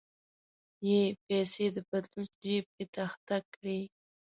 یې پیسې د پتلون جیب کې تخته کړې.